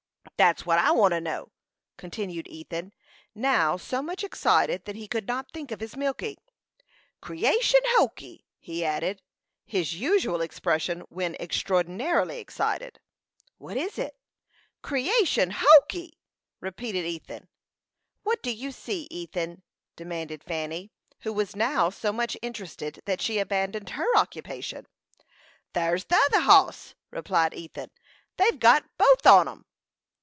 "That's what I want to know," continued Ethan, now so much excited that he could not think of his milking. "Creation hokee!" he added his usual expression when extraordinarily excited. "What is it?" "Creation hokee!" repeated Ethan. "What do you see, Ethan?" demanded Fanny, who was now so much interested that she abandoned her occupation. "There's the t'other hoss!" replied Ethan. "They've got both on 'em."